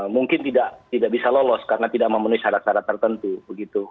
mungkin tidak bisa lolos karena tidak memenuhi syarat syarat tertentu begitu